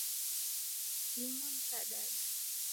Linu ni kadadu